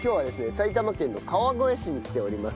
埼玉県の川越市に来ておりますけど。